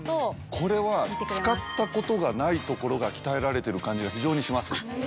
これは使ったことがないところが鍛えられてる感じが非常にします。